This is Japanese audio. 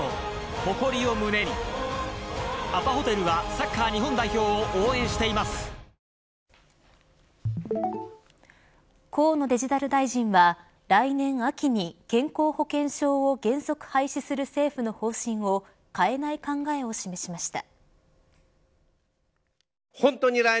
サントリー天然水「ＴＨＥＳＴＲＯＮＧ」激泡河野デジタル大臣は来年、秋に健康保険証を原則廃止する政府の方針を変えない考えを示しました。